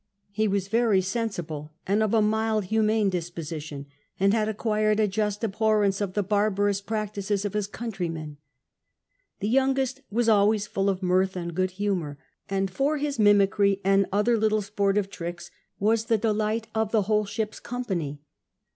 He was very sensible and of a mild humane disposition, and had acquired a just Jibhorrence of the barbarous j)ractices of his countrymen. The youngest was ahvays full of mirth and good humour, and, for his mimicry and other little X PASSENGERS 129 sportive tricks, was the delight of the whole ship's company.